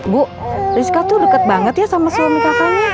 bu rizka tuh deket banget ya sama suami kakaknya